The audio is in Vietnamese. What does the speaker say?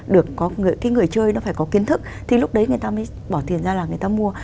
được có cái người chơi nó phải có kiến thức thì lúc đấy người ta mới bỏ tiền ra là người ta mua